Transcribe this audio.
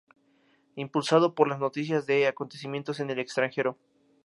Impulsado por las noticias de acontecimientos en el extranjero.